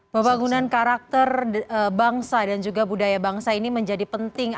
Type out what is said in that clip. pembangunan karakter bangsa dan juga budaya bangsa ini menjadi penting